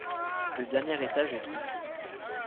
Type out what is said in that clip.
Le dernier étage est tronqué.